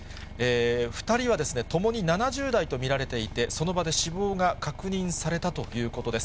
２人はともに７０代と見られていて、その場で死亡が確認されたということです。